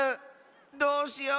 どうしよう！